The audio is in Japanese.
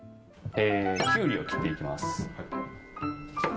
キュウリを切っていきます。